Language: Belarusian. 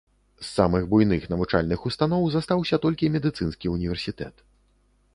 З самых буйных навучальных устаноў застаўся толькі медыцынскі універсітэт.